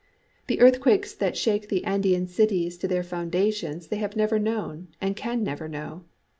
The earthquakes that shake the Andean cities to their foundations they have never known and can never know.